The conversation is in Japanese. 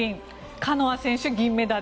カノア選手、銀メダル。